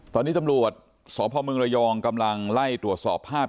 ตอนนี้ตำรวจสพมระยองกำลังไล่ตรวจสอบภาพ